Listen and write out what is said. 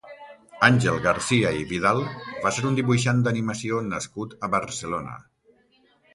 Àngel Garcia i Vidal va ser un dibuixant d'animació nascut a Barcelona.